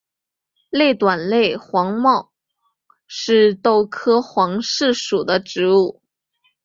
类短肋黄耆是豆科黄芪属的植物。